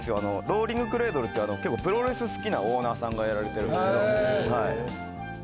ローリングクレイドルっていう結構プロレス好きなオーナーさんがやられてる。